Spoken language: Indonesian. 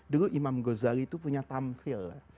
dulu imam ghazali itu punya tamfil